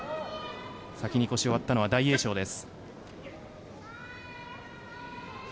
先に腰を割ったのは大栄翔です。